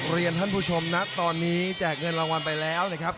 เรียนท่านผู้ชมนะตอนนี้แจกเงินรางวัลไปแล้วนะครับ